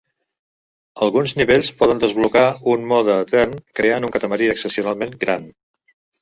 Alguns nivells poden desblocar un mode etern creant un Katamari excepcionalment gran.